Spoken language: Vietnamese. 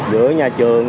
giữa nhà trường